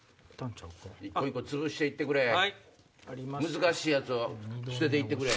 一個一個潰して行ってくれ難しいやつを捨てて行ってくれ。